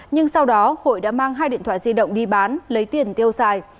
nhưng sau đó hội đã mang hai điện thoại di động đi bán lấy tiền tiêu xài